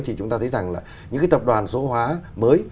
thì chúng ta thấy rằng là những cái tập đoàn số hóa mới